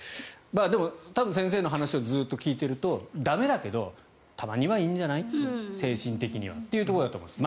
多分、先生の話をずっと聞いていると駄目だけどたまにはいいんじゃない精神的にはというところだと思います。